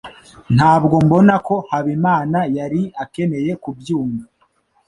Ntabwo mbona ko Habimana yari akeneye kubyumva.